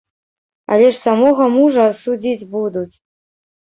Але ж самога мужа судзіць будуць.